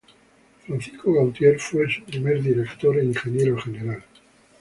Francisco Gautier fue su primer director e ingeniero general.